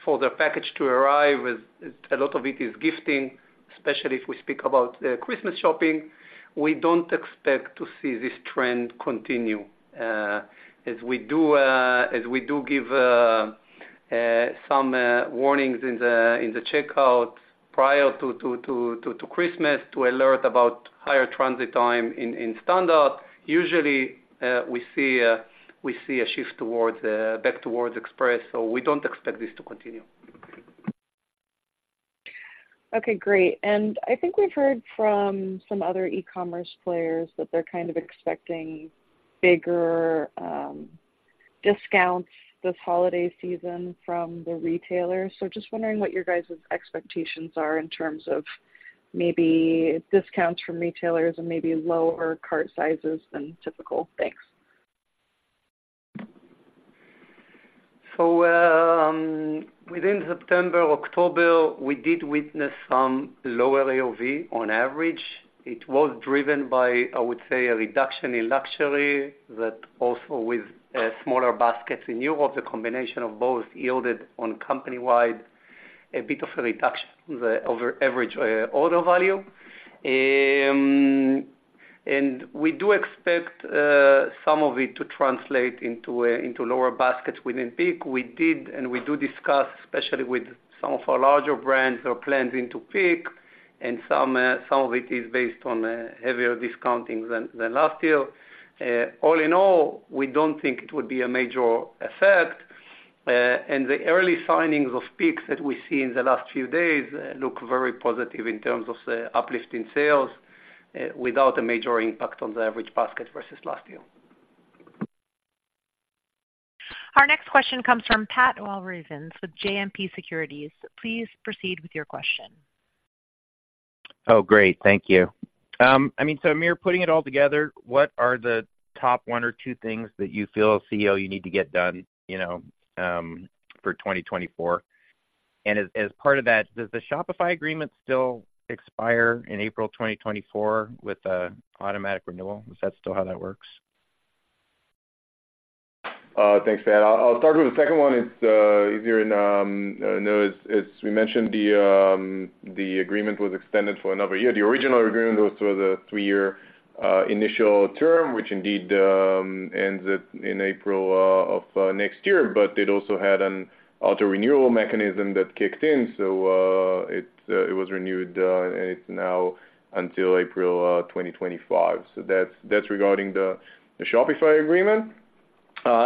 for their package to arrive, as a lot of it is gifting, especially if we speak about Christmas shopping, we don't expect to see this trend continue. As we do give some warnings in the checkout prior to Christmas to alert about higher transit time in standard. Usually, we see a shift back towards express, so we don't expect this to continue. Okay, great. And I think we've heard from some other e-commerce players that they're kind of expecting bigger discounts this holiday season from the retailers. So just wondering what your guys' expectations are in terms of maybe discounts from retailers and maybe lower cart sizes than typical. Thanks. So, within September, October, we did witness some lower AOV on average. It was driven by, I would say, a reduction in luxury, but also with smaller baskets in Europe. The combination of both yielded on company-wide a bit of a reduction over average order value. And we do expect some of it to translate into lower baskets within peak. We did, and we do discuss, especially with some of our larger brands, their plans into peak, and some of it is based on heavier discounting than last year. All in all, we don't think it would be a major effect. The early signings of peaks that we see in the last few days look very positive in terms of the uplift in sales, without a major impact on the average basket versus last year. Our next question comes from Pat Walravens with JMP Securities. Please proceed with your question. Oh, great. Thank you. I mean, so Amir, putting it all together, what are the top one or two things that you feel as CEO you need to get done, you know, for 2024? And as part of that, does the Shopify agreement still expire in April 2024 with a automatic renewal? Is that still how that works? Thanks, Pat. I'll start with the second one. It's easier and, as we mentioned, the agreement was extended for another year. The original agreement was for the three-year initial term, which indeed ends it in April of next year. But it also had an auto-renewal mechanism that kicked in, so it was renewed, and it's now until April 2025. So that's regarding the Shopify agreement.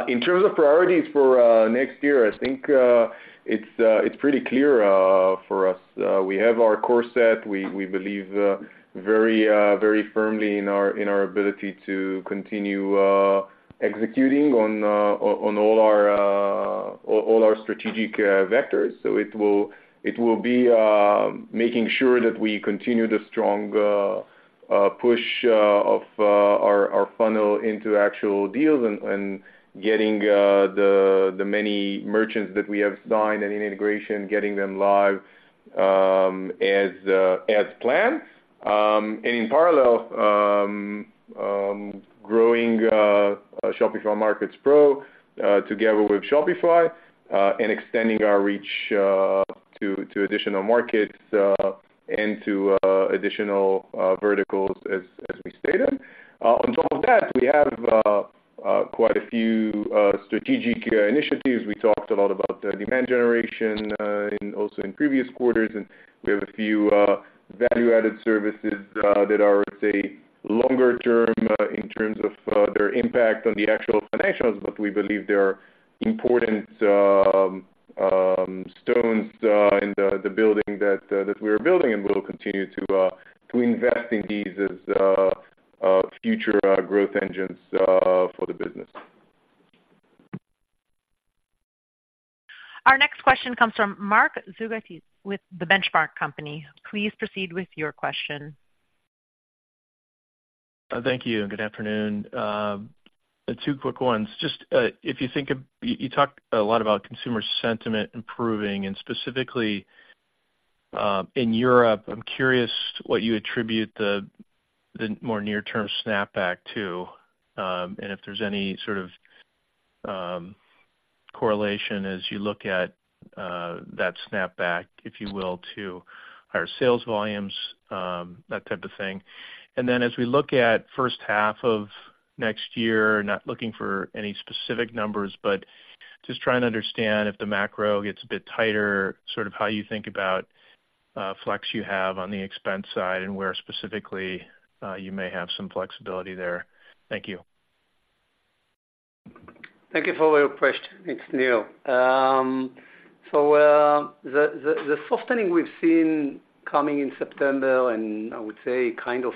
In terms of priorities for next year, I think it's pretty clear for us. We have our core set. We believe very firmly in our ability to continue executing on all our strategic vectors. So it will be making sure that we continue the strong push of our funnel into actual deals and getting the many merchants that we have signed and in integration, getting them live, as planned. And in parallel, growing Shopify Markets Pro together with Shopify and extending our reach to additional markets and to additional verticals, as we stated. On top of that, we have quite a few strategic initiatives. We talked a lot about the demand generation, also in previous quarters, and we have a few value-added services that are, let's say, longer term in terms of their impact on the actual financials. But we believe they are important stones in the building that we are building, and we'll continue to invest in these as future growth engines for the business. Our next question comes from Mark Zgutowicz with The Benchmark Company. Please proceed with your question. Thank you, and good afternoon. Two quick ones. Just, if you think of—you talked a lot about consumer sentiment improving, and specifically, in Europe, I'm curious what you attribute the more near-term snapback to, and if there's any sort of correlation as you look at that snapback, if you will, to higher sales volumes, that type of thing. And then as we look at first half of next year, not looking for any specific numbers, but just trying to understand if the macro gets a bit tighter, sort of how you think about flex you have on the expense side, and where specifically you may have some flexibility there. Thank you. Thank you for your question. It's Nir. So, the softening we've seen coming in September, and I would say kind of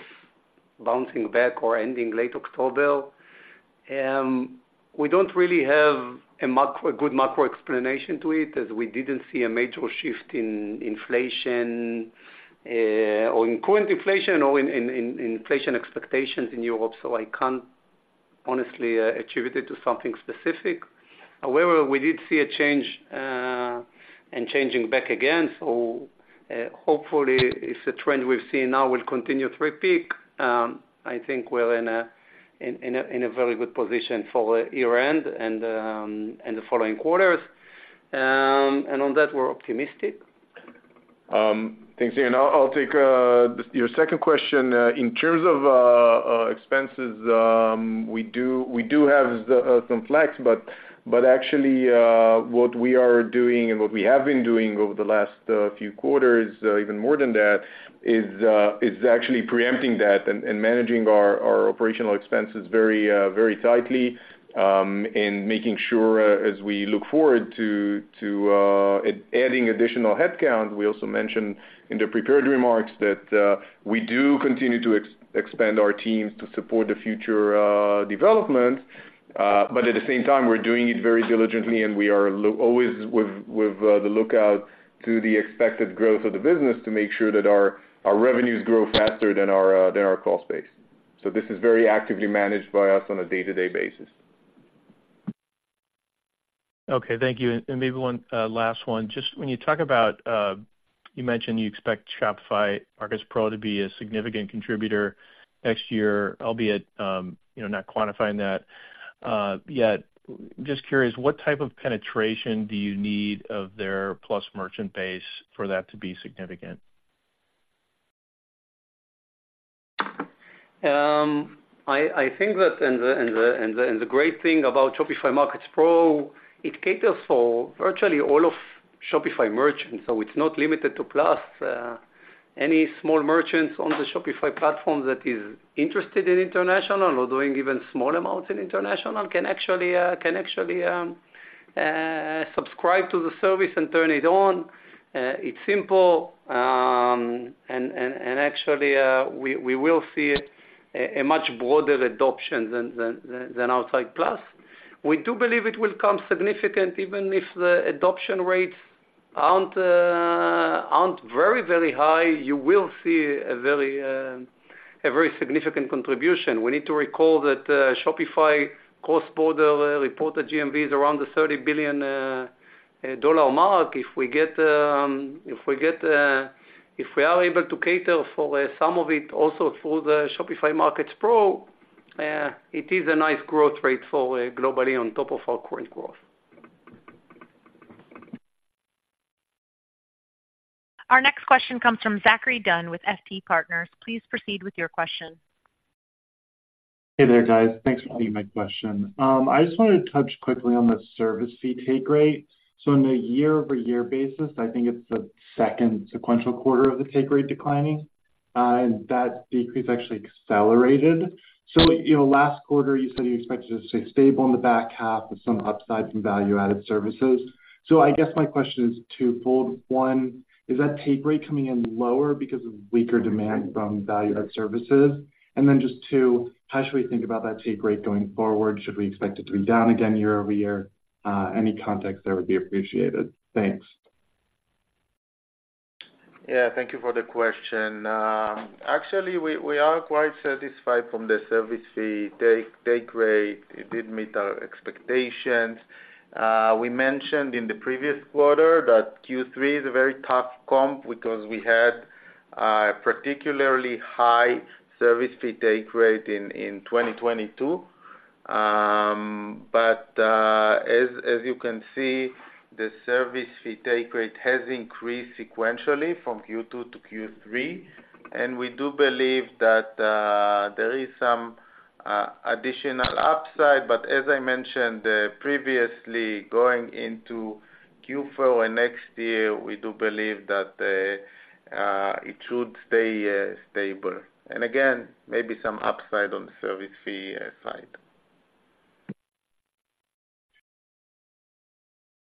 bouncing back or ending late October, we don't really have a macro - a good macro explanation to it, as we didn't see a major shift in inflation, or in current inflation or in inflation expectations in Europe, so I can't honestly attribute it to something specific. However, we did see a change, and changing back again. So, hopefully, if the trend we've seen now will continue through peak, I think we're in a very good position for year-end and the following quarters. And on that, we're optimistic. Thanks, Nir. I'll take your second question. In terms of expenses, we do have some flex, but actually, what we are doing and what we have been doing over the last few quarters, even more than that, is actually preempting that and managing our operational expenses very tightly, and making sure, as we look forward to adding additional headcount, we also mentioned in the prepared remarks that we do continue to expand our teams to support the future development. But at the same time, we're doing it very diligently, and we are always on the lookout for the expected growth of the business to make sure that our revenues grow faster than our cost base. So this is very actively managed by us on a day-to-day basis. Okay. Thank you. And maybe one last one. Just when you talk about, you mentioned you expect Shopify Markets Pro to be a significant contributor next year, albeit, you know, not quantifying that, yet. Just curious, what type of penetration do you need of their Plus merchant base for that to be significant? I think that the great thing about Shopify Markets Pro, it caters for virtually all of Shopify merchants, so it's not limited to Plus. Any small merchants on the Shopify platform that is interested in international or doing even small amounts in international can actually subscribe to the service and turn it on. It's simple. And actually, we will see a much broader adoption than Shopify Plus. We do believe it will come significant, even if the adoption rates aren't very, very high, you will see a very significant contribution. We need to recall that Shopify cross-border reported GMVs around the $30 billion mark. If we are able to cater for some of it also through the Shopify Markets Pro, it is a nice growth rate for Global-e on top of our current growth. Our next question comes from Zachary Gunn with FT Partners. Please proceed with your question. Hey there, guys. Thanks for taking my question. I just wanted to touch quickly on the service fee take rate. So in a year-over-year basis, I think it's the second sequential quarter of the take rate declining, and that decrease actually accelerated. So, you know, last quarter, you said you expected it to stay stable in the back half with some upside from value-added services. So I guess my question is two-fold: One, is that take rate coming in lower because of weaker demand from value-added services? And then just two, how should we think about that take rate going forward? Should we expect it to be down again year over year? Any context there would be appreciated. Thanks. Yeah, thank you for the question. Actually, we are quite satisfied from the service fee take rate. It did meet our expectations. We mentioned in the previous quarter that Q3 is a very tough comp because we had a particularly high service fee take rate in 2022. But as you can see, the service fee take rate has increased sequentially from Q2 to Q3, and we do believe that there is some additional upside. But as I mentioned previously, going into Q4 and next year, we do believe that it should stay stable. And again, maybe some upside on the service fee side.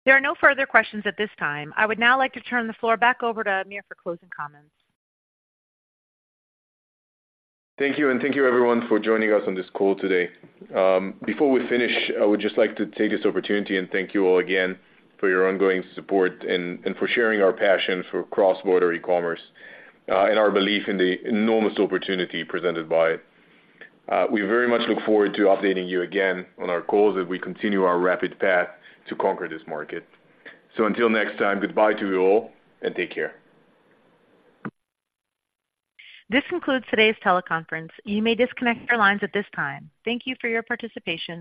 There are no further questions at this time. I would now like to turn the floor back over to Amir for closing comments. Thank you, and thank you everyone for joining us on this call today. Before we finish, I would just like to take this opportunity and thank you all again for your ongoing support and, and for sharing our passion for cross-border e-commerce, and our belief in the enormous opportunity presented by it. We very much look forward to updating you again on our calls as we continue our rapid path to conquer this market. So until next time, goodbye to you all, and take care. This concludes today's teleconference. You may disconnect your lines at this time. Thank you for your participation.